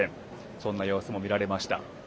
そんな様子も見られました。